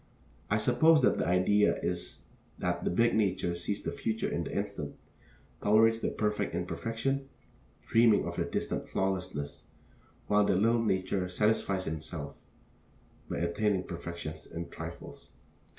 I suppose that the idea is that the big nature sees the future in the instant, tolerates the present imperfection, dreaming of a distant flawlessness; while the little nature satisfies itself by attaining perfection in trifles.